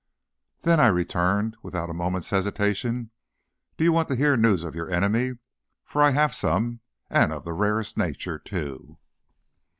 "Then," I returned, without a moment's hesitation, "do you want to hear news of your enemy? for I have some, and of the rarest nature, too."